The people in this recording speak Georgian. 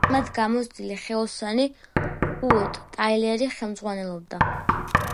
მათ გამოცდილი ხელოსანი, უოტ ტაილერი ხელმძღვანელობდა.